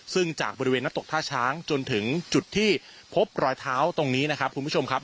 ซึ่งจากบริเวณนักตกท่าช้างจนถึงจุดที่พบรอยเท้าตรงนี้นะครับคุณผู้ชมครับ